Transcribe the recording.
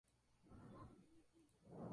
Al menos eso dio a entender en Twitter.